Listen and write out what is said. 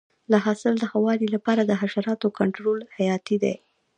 د حاصل د ښه والي لپاره د حشراتو کنټرول حیاتي دی.